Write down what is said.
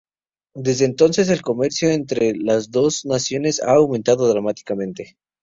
Desde entonces, el comercio entre las dos naciones ha aumentado dramáticamente.